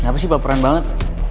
ngapasih baperan banget